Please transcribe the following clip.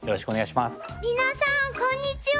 皆さんこんにちは！